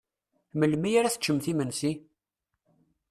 Melmi ara teččent imensi?